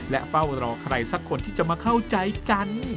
และเฝ้ารอใครสักคนที่จะมาเข้าใจกัน